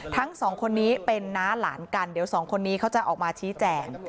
ทั้งสองคนนี้เป็นน้าหลานกันเดี๋ยวสองคนนี้เขาจะออกมาชี้แจง